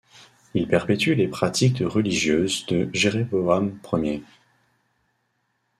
Il perpétue les pratiques de religieuses de Jéroboam Ier.